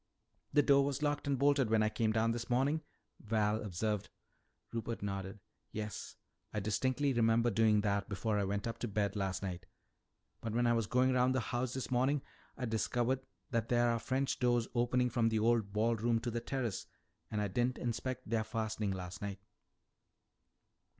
"The door was locked and bolted when I came down this morning," Val observed. Rupert nodded. "Yes, I distinctly remember doing that before I went up to bed last night. But when I was going around the house this morning I discovered that there are French doors opening from the old ball room to the terrace, and I didn't inspect their fastening last night."